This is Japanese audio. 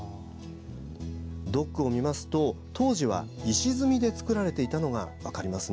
ドックを見ますと当時は石積みで造られていたのが分かります。